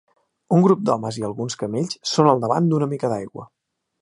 Un grup d'homes i alguns camells són al davant d'una mica d'aigua.